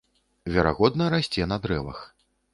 Верагодна, расце на дрэвах.